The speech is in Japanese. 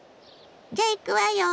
じゃいくわよ。